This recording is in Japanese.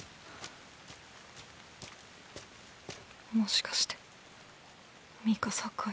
もしかしてミカサかい。